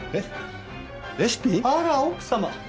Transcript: あら奥様